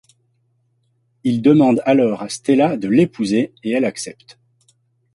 Il demande alors à Stella de l'épouser et elle accepte.